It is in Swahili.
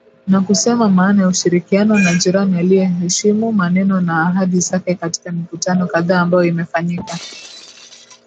Na kusema maana ya ushirikiano na jirani aiyeheshimu maneno na ahadi zake katika mikutano kadhaa ambayo imefanyika''.